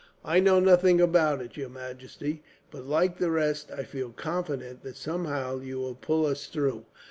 "I know nothing about it, your majesty; but like the rest, I feel confident that somehow you will pull us through.